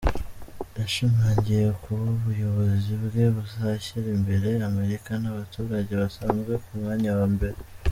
Yashimangiye ko ubuyobozi bwe buzashyira imbere Amerika n’abaturage basanzwe ku mwanya wa mbere.